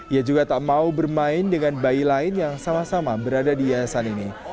ia juga tak mau bermain dengan bayi lain yang sama sama berada di yayasan ini